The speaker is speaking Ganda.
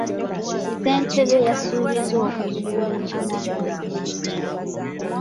Ssentebe yasuubizza okuzuula ekinaagonjoola ekizibu.